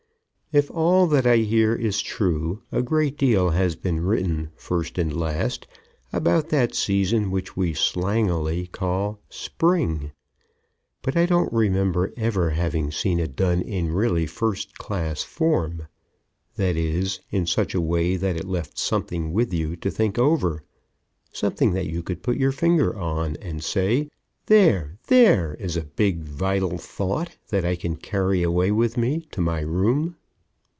If all that I hear is true, a great deal has been written, first and last, about that season which we slangily call "Spring"; but I don't remember ever having seen it done in really first class form; that is, in such a way that it left something with you to think over, something that you could put your finger on and say, "There, there is a Big, Vital Thought that I can carry away with me to my room."